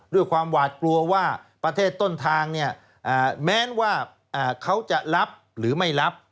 ด้วยความหวาดกลัวว่าประเทศต้นทางเนี่ยแม้ว่าเขาจะรับหรือไม่รับ